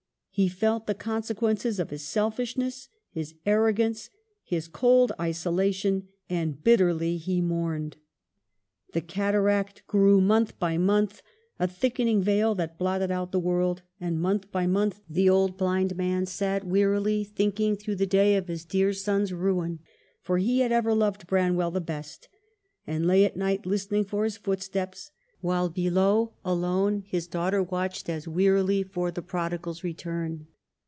He felt the consequences of his selfishness, his arrogance, his cold isolation, and bitterly, bit terly he mourned. 2oo ' EMILY BRONTE. The cataract grew month by month, a thick ening veil that blotted out the world ; and month by month the old blind man sat wearily thinking through the day of his dear son's ruin, for he had ever loved Branwell the best, and lay at night listening for his footsteps ; while below, alone, his daughter watched as wearily for the prodi gal's return.